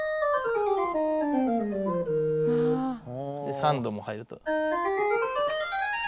３度も入ると。